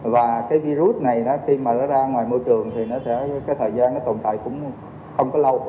và virus này khi ra ngoài môi trường thì thời gian tồn tại cũng không lâu